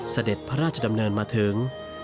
เสด็จพระราชดำเนินมาถึง